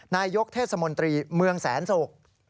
นายกเทศมนตรีเมืองแสนศุกร์